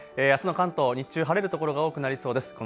あすは関東、日中晴れるところが多くなりそうです。